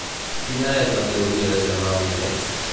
Quina és la teoria de Jamal Nebez?